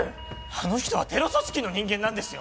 あの人はテロ組織の人間なんですよ